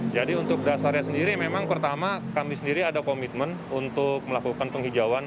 jadi untuk dasarnya sendiri memang pertama kami sendiri ada komitmen untuk melakukan penghijauan